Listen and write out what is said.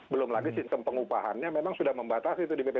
belum lagi sistem pengupahannya memang sudah membatasi itu di bp tujuh puluh delapan